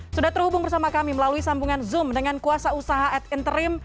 sudah terhubung bersama kami melalui sambungan zoom dengan kuasa usaha ad interim